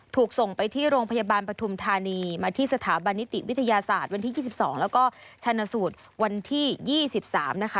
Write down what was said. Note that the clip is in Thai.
ถูกส่งไปที่โรงพยาบาลปฐุมธานีมาที่สถาบันนิติวิทยาศาสตร์วันที่๒๒แล้วก็ชนะสูตรวันที่๒๓นะคะ